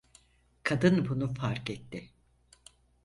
Kadın bunu fark etti.